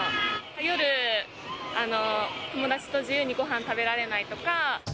夜、友達と自由にごはん食べられないとか。